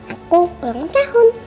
aku ulang tahun